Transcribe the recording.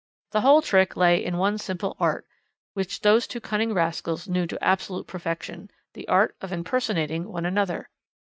The whole trick lay in one simple art, which those two cunning rascals knew to absolute perfection, the art of impersonating one another.